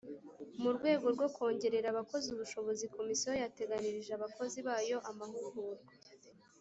mu rwego rwo kongerera abakozi ubushobozi komisiyo yateganyirije abakozi bayo amahugurwa